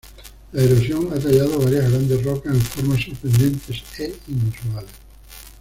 La erosión ha tallado varias grandes rocas en formas sorprendentes e inusuales.